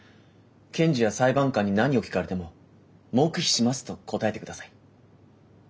検事や裁判官に何を聞かれても黙秘しますと答えてください。